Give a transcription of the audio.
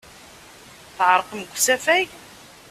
Tɛerqem deg usafag.